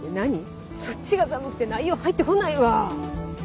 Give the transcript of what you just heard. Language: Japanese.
そっちが寒くて内容入ってこないわ。